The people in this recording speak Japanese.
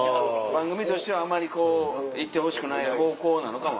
番組としてはあんまりこう行ってほしくない方向なのかも。